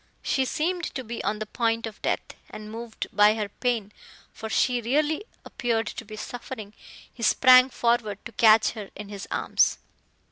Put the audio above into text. She seemed to be on the point of death, and moved by her pain for she really appeared to be suffering, he sprang forward to catch her in his arms.